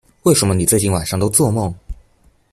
为什么你最近晚上都作梦